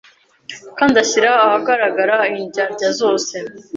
kandi ashyira ahagaragara indyarya zose